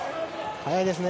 速いですね。